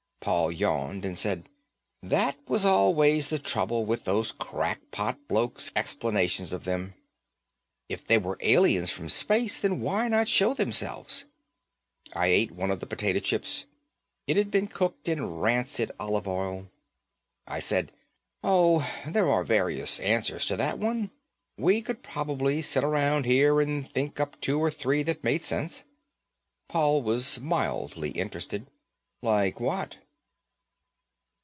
Paul yawned and said, "That was always the trouble with those crackpot blokes' explanations of them. If they were aliens from space, then why not show themselves?" I ate one of the potato chips. It'd been cooked in rancid olive oil. I said, "Oh, there are various answers to that one. We could probably sit around here and think of two or three that made sense." Paul was mildly interested. "Like what?"